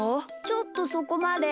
ちょっとそこまで。